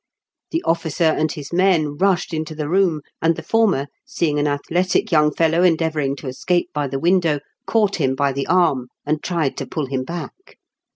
The officer and his men rushed into the room, and the former, seeing an athletic young fellow endeavouring to escape by the window, caught him by the arm, and tried to pull him back.